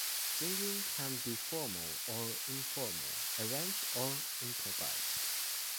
Singing can be formal or informal, arranged or improvised.